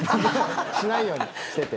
しないようにしていて。